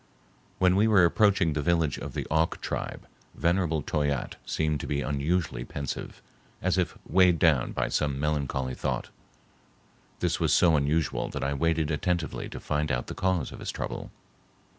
When we were approaching the village of the Auk tribe, venerable Toyatte seemed to be unusually pensive, as if weighed down by some melancholy thought. This was so unusual that I waited attentively to find out the cause of his trouble.